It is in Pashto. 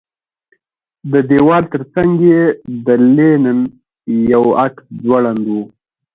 د دېوال ترڅنګ یې د لینن یو عکس ځوړند و